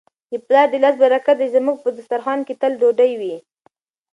د پلار د لاس برکت دی چي زموږ په دسترخوان کي تل ډوډۍ وي.